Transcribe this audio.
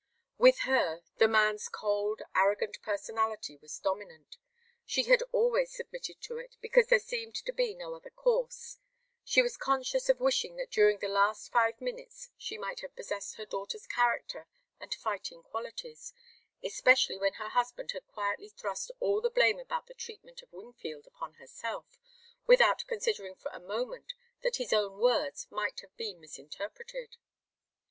With her, the man's cold, arrogant personality was dominant. She had always submitted to it because there seemed to be no other course. She was conscious of wishing that during the last five minutes she might have possessed her daughter's character and fighting qualities, especially when her husband had quietly thrust all the blame about the treatment of Wingfield upon herself, without considering for a moment that his own words might have been misinterpreted.